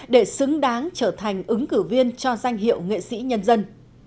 để xứng đáng trở thành ứng cử viên cho danh hiệu nghệ sĩ nhân dân